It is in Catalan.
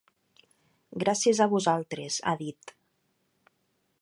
Gràcies a vosaltres, ha dit.